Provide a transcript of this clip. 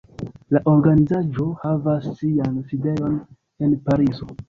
La organizaĵo havas sian sidejon en Parizo.